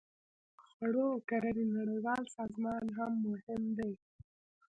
د خوړو او کرنې نړیوال سازمان هم مهم دی